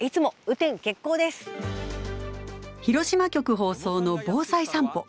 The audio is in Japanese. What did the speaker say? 広島局放送の「防災さんぽ」。